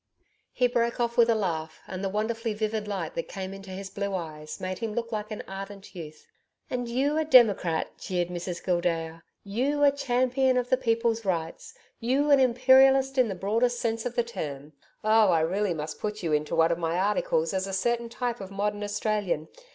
He broke off with a laugh, and the wonderfully vivid light that came into his blue eyes made him look like an ardent youth. 'And you a democrat!' jeered Mrs Gildea. 'You, a champion of the people's rights; you, an Imperialist in the broadest sense of the term! Oh, I really must put you into one of my articles as a certain type of modern Australian.